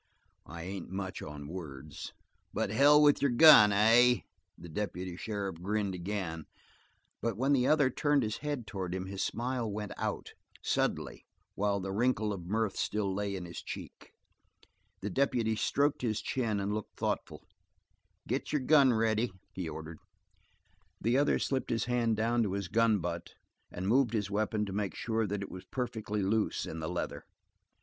"I ain't much on words." "But hell with your gun, eh?" The deputy sheriff grinned again, but when the other turned his head toward him, his smile went out, suddenly while the wrinkle of mirth still lay in his cheek. The deputy stroked his chin and looked thoughtful. "Get your gun ready," he ordered. The other slipped his hand down to his gun butt and moved his weapon to make sure that it was perfectly loose in the leather.